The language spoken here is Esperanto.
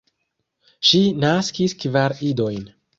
Ŝi naskis kvar idojn.